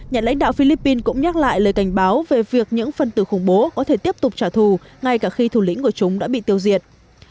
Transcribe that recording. nhà lãnh đạo philippines cũng nhắc lại lời cảnh báo về việc những phân tử khủng bố có thể tiếp tục trả thù ngay cả khi thủ lĩnh của chúng đã bị tiêu diệt